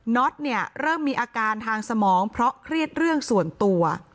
็อตเนี่ยเริ่มมีอาการทางสมองเพราะเครียดเรื่องส่วนตัว